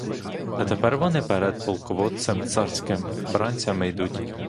А тепер вони перед полководцем царським бранцями йдуть.